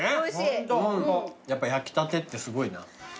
やっぱ焼きたてってすごいな。